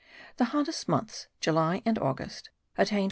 The hottest months, July and August, attain 28.